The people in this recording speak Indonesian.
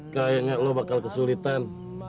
kayaknya lo bakal kesulitan